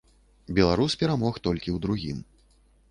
Беларус перамог толькі ў другім.